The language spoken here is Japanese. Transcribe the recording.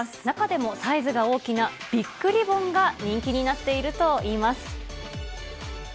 中でもサイズが大きなビッグリボンが人気になっているといいます。